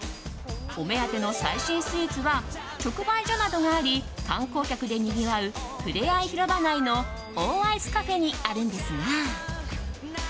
お目当ての最新スイーツは直売所などがあり観光客でにぎわうふれあい広場内のオーアイスカフェにあるんですが。